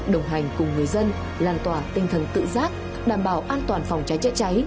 đồng hành cùng người dân lan tỏa tinh thần tự giác đảm bảo an toàn phòng cháy chữa cháy